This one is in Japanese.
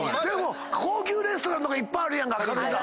高級レストランとかいっぱいあるやんか軽井沢。